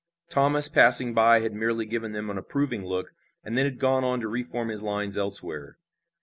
Thomas, passing by, had merely given them an approving look, and then had gone on to re form his lines elsewhere.